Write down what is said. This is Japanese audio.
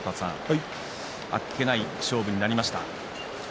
あっけない勝負になりました。